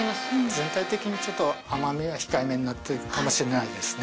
全体的にちょっと甘みが控えめになっているかもしれないですね。